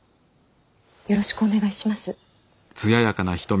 よろしくお願いします。